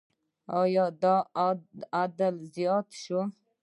آیا دا عاید زیات شوی؟